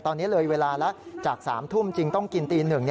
ตอนนี้เลยเวลาแล้วจาก๓ทุ่มจริงต้องกินตี๑